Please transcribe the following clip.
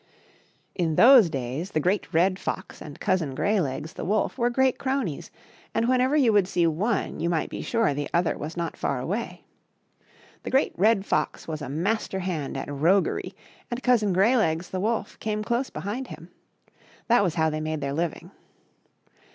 ^/a^rs;^ VII. N those days the Great Red Fox and Cousin Greylegs, the wolf, were great cronies, and whenever you would see one you might be sure the other was not far away. The Great Red Fox was a master hand at roguery, and Cousin Greylegs, the wolf, came close behind him. That was how they made their living.